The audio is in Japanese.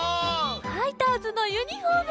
ファイターズのユニフォームだ。